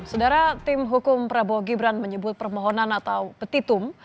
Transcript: sedara tim hukum prabowo gibran menyebut permohonan atau petitum